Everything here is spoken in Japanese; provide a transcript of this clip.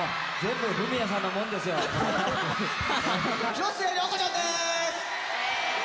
広末涼子ちゃんです。